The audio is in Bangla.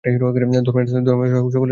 ধর্মের আশ্রয়ে সকলে রইল স্বাধীন।